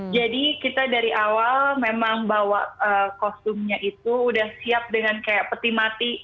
jadi kita dari awal memang bawa kostumnya itu udah siap dengan kayak peti mati